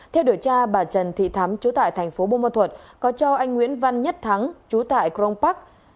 theo điều tra bà trần thị thắm chú tại tp bông ma thuật có cho anh nguyễn văn nhất thắng chú tại cron park